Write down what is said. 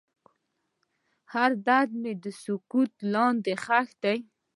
هر درد مې د سکوت لاندې ښخ دی.